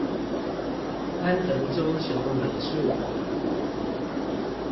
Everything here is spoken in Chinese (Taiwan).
安藤忠雄美術館